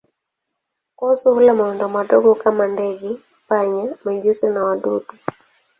Kozi hula mawindo madogo kama ndege, panya, mijusi na wadudu.